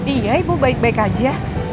iya ibu baik baik aja